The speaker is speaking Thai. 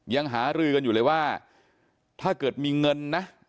ยังหารือกันอยู่เลยว่าถ้าเกิดมีเงินนะ